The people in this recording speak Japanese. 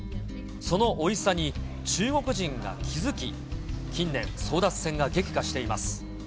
そのおいしさに中国人が気付き、近年、争奪戦が激化しています。